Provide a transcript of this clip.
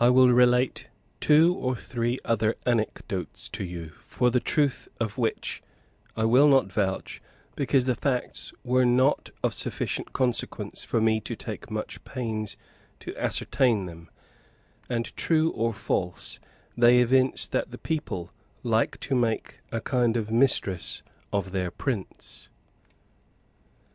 I will relate two or three other anecdotes to you, for the truth of which I will not vouch because the facts were not of sufficient consequence for me to take much pains to ascertain them; and, true or false, they evince that the people like to make a kind of mistress of their prince.